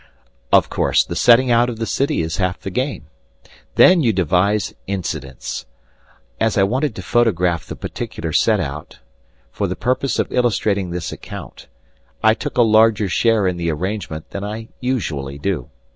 Of course the setting out of the city is half the game. Then you devise incidents. As I wanted to photograph the particular set out for the purpose of illustrating this account, I took a larger share in the arrangement than I usually do.